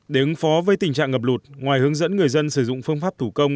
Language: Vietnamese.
để ứng phó với tình trạng ngập lụt ngoài hướng dẫn người dân sử dụng phương pháp thủ công